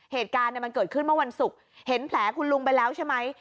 เหตุการณ์มันเกิดขึ้นเมื่อวันศุกร์เห็นแผลคุณลุงไปแล้วใช่ไหม